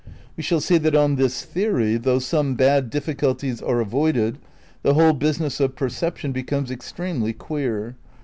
We shall see that on this theory, though some bad dtfiSculties are avoided, the whole business of per ception becomes extremely queer.